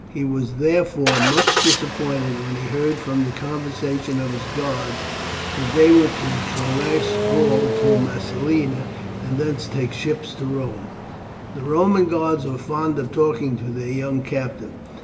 He was therefore much disappointed when he heard from the conversation of his guards that they were to traverse Gaul to Massilia, and thence take ship to Rome. The Roman guards were fond of talking to their young captive.